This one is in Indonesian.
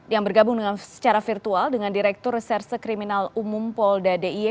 yang bergabung secara virtual dengan direktur reserse kriminal umum polda d i e